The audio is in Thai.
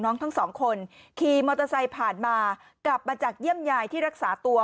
ทั้งสองคนขี่มอเตอร์ไซค์ผ่านมากลับมาจากเยี่ยมยายที่รักษาตัว